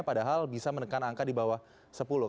padahal bisa menekan angka di bawah sepuluh